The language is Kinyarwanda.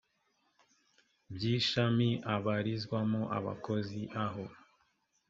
by ishami abarizwamo abakozi aho